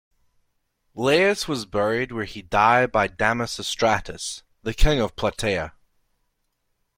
Laius was buried where he died by Damasistratus, the king of Plataea.